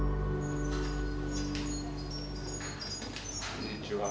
こんにちは。